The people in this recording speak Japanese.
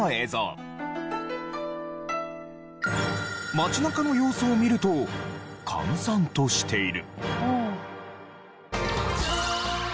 街中の様子を見ると閑散としている。